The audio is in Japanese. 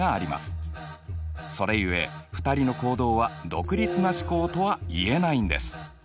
それゆえ２人の行動は独立な試行とは言えないんです。